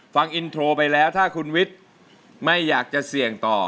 ฟังอินโทรไปแล้วถ้าคุณวิทย์ไม่อยากจะเสี่ยงต่อ